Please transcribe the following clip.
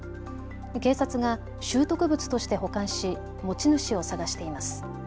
警察が拾得物として保管し持ち主を捜しています。